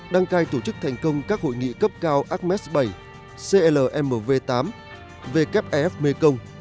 đăng cai tổ chức thành công các hội nghị cấp cao acmes bảy clmv tám wff mekong